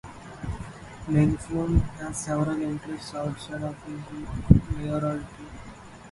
Meng Foon has several interests outside of his mayoralty.